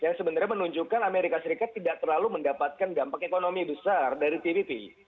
yang sebenarnya menunjukkan amerika serikat tidak terlalu mendapatkan dampak ekonomi besar dari tvp